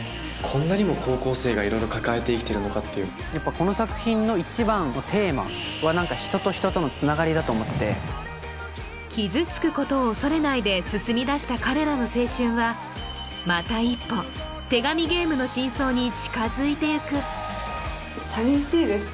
こんなにも高校生が色々抱えて生きてるのかっていうやっぱこの作品の一番のテーマは人と人とのつながりだと思ってて傷つくことを恐れないで進みだした彼らの青春はまた一歩手紙ゲームの真相に近づいてゆく寂しいです